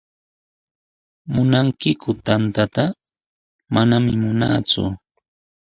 ¿Munankiku tantata? Manami munaaku.